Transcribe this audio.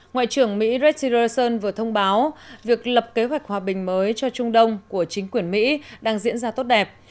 ngoại trưởng mỹ ray c johnson vừa thông báo việc lập kế hoạch hòa bình mới cho trung đông của chính quyền mỹ đang diễn ra tốt đẹp